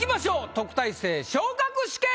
「特待生昇格試験」。